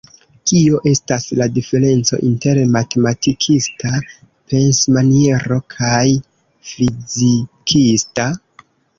Kio estas la diferenco inter matematikista pensmaniero kaj fizikista?